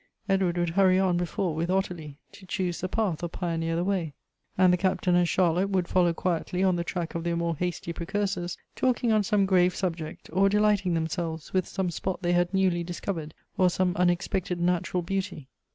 Edward would hurry on before with Ottilie, to choose the path or pioneer the way ; and the Captain Elective Affinities. 63 and Charlotte would follow quietly on the track of their more hasty precursors, talking on some grave subject, or delighting themselves with some spot they had newly discovered, or some unexpected natural beauty.